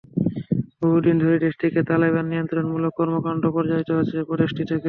বহু দিন ধরেই দেশটিতে তালেবানের নিয়ন্ত্রণমূলক কর্মকাণ্ডও পরিচালিত হচ্ছে প্রদেশটি থেকে।